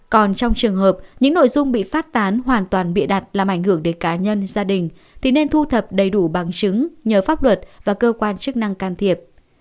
còn trong trường hợp những nội dung bị phát tán hoàn toàn bịa đặt làm ảnh hưởng đến cá nhân gia đình thì nên thu thập đầy đủ bằng chứng nhờ pháp luật và cơ quan chức năng can thiệp